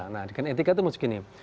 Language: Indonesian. nah dengan etika itu mesti gini